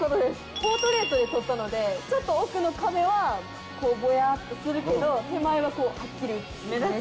ポートレートで撮ったので奥の壁はぼやっとするけど手前ははっきり目立つ。